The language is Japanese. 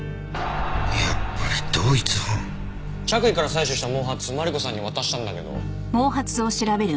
着衣から採取した毛髪マリコさんに渡したんだけど。